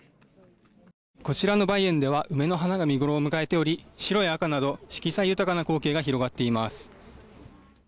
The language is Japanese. こちらの梅園では梅の花が見ごろを迎えており白や赤など色彩豊かな光景が広がっています。